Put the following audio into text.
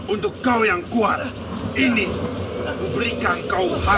untuk kau yang kuat ini kuberikan kau hadiah